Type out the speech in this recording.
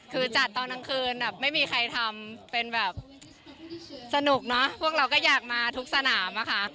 คือจัดตอนกลางคืนแบบไม่มีใครทำเป็นแบบสนุกเนอะพวกเราก็อยากมาทุกสนามอะค่ะ